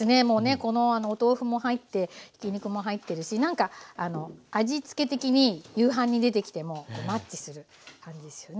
このお豆腐も入ってひき肉も入ってるしなんか味付け的に夕飯に出てきてもマッチする感じですよね。